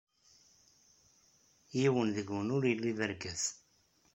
Yiwen deg-wen ur yelli d argaz.